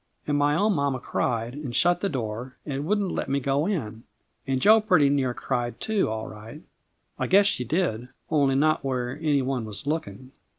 And my own mamma cried, and shut the door, and wouldn't let me go in. And Jo pretty near cried too, all right. I guess she did, only not when any one was looking.